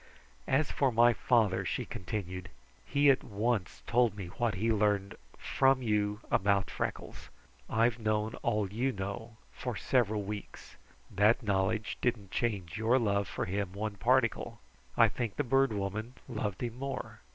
"As for my father," she continued, "he at once told me what he learned from you about Freckles. I've known all you know for several weeks. That knowledge didn't change your love for him a particle. I think the Bird Woman loved him more.